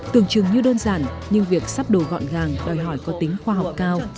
tưởng chừng như đơn giản nhưng việc sắp đồ gọn gàng đòi hỏi có tính khoa học cao